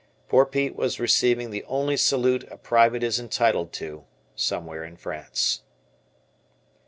Poor Pete was receiving the only salute a Private is entitled to "somewhere in France."